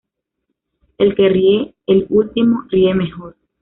El que ríe el último, ríe mejor